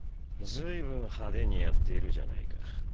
随分派手にやっているじゃないか。